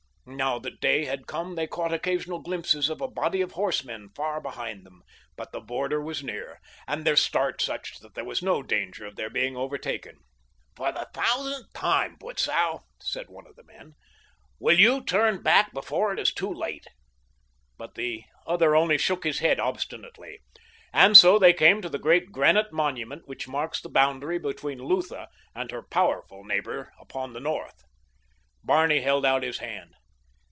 Now that day had come they caught occasional glimpses of a body of horsemen far behind them, but the border was near, and their start such that there was no danger of their being overtaken. "For the thousandth time, Butzow," said one of the men, "will you turn back before it is too late?" But the other only shook his head obstinately, and so they came to the great granite monument which marks the boundary between Lutha and her powerful neighbor upon the north. Barney held out his hand.